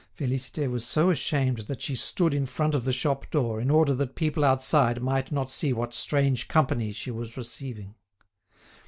Félicité was so ashamed that she stood in front of the shop door in order that people outside might not see what strange company she was receiving.